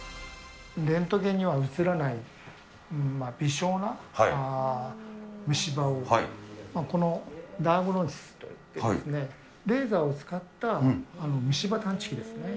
レントゲンには写らない微小な虫歯を、このダーゴノイズというレーザーを使った虫歯探知機ですね。